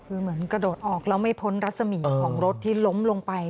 คือเหมือนกระโดดออกแล้วไม่พ้นรัศมีของรถที่ล้มลงไป